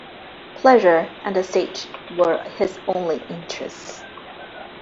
Pleasure and the stage were his only interests.